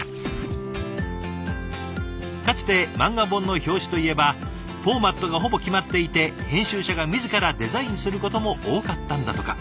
かつて漫画本の表紙といえばフォーマットがほぼ決まっていて編集者が自らデザインすることも多かったんだとか。